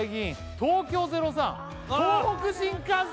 東京０３東北新幹線！